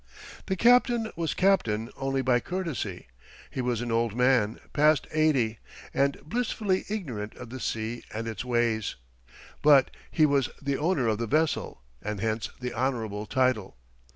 The captain was captain only by courtesy. He was an old man, past eighty, and blissfully ignorant of the sea and its ways; but he was the owner of the vessel, and hence the honorable title.